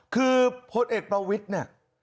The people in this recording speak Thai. คือพลเอกประวิทย์เนี่ย